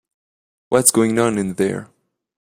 What's going on in there?